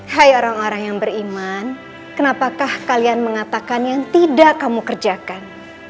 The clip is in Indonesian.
hai orang orang yang beriman kenapakah kalian mengatakan yang tidak kamu kerjakan